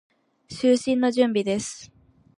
就寝の準備です。